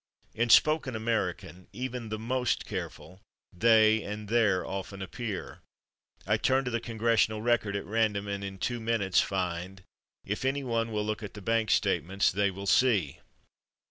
In spoken American, even the most careful, /they/ and /their/ often appear; I turn to the /Congressional Record/ at random and in two minutes find "if anyone will look at the bank statements /they/ will see."